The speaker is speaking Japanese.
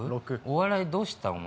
お笑いどうした？